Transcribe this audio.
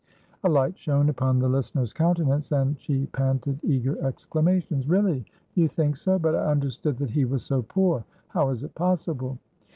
A light shone upon the listener's countenance, and she panted eager exclamations. "Really? You think so? But I understood that he was so poor. How is it possible?"